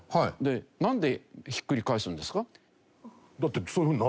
なんでひっくり返すんですか？